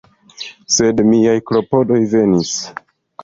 Sed miaj klopodoj vanis.